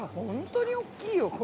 本当に大きいよ。